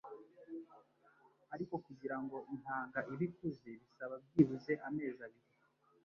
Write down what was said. ariko kugirango intanga ibe ikuze bisaba byibuze amezi abiri